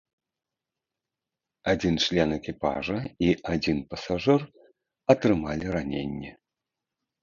Адзін член экіпажа і адзін пасажыр атрымалі раненні.